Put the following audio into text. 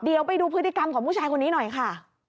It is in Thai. เดี๋ยวไปดูพฤติกรรมของผู้ชายคนนี้หน่อยค่ะ